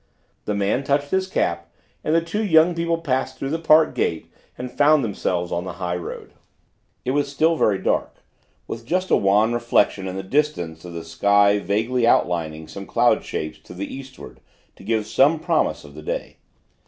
The man touched his cap and the two young people passed through the park gate and found themselves upon the high road. It was still very dark, with just a wan reflection in the distance of the sky vaguely outlining some cloud shapes to the eastward to give some promise of the day.